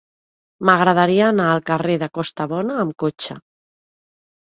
M'agradaria anar al carrer de Costabona amb cotxe.